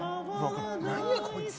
何やこいつ。